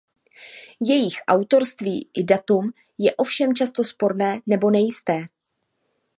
Jejich autorství i datum je ovšem často sporné nebo nejisté.